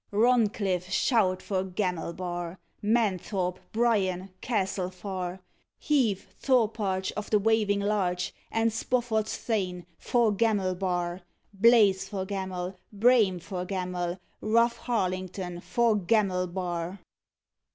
Roncliffe, shout for Gamelbar! Menthorpe, Bryan, Castelfar! Heave, Thorparch Of the Waving Larch, And Spofford's thane, for Gamelbar! Blaise for Gamel, Brame for Gamel, Rougharlington for Gamelbar!